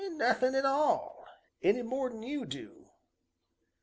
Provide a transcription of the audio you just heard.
"Nothin' at all, any more'n you do."